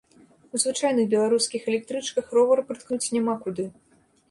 У звычайных беларускіх электрычках ровар прыткнуць няма куды.